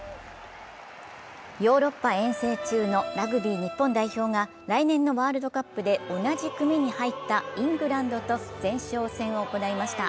ヨーロッパ遠征中のラグビー日本代表が来年のワールドカップで同じ組に入ったイングランドと前哨戦を行いました。